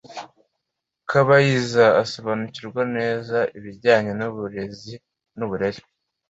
Kabayiza asobanukirwa neza ibijyanye n’uburezi n’uburere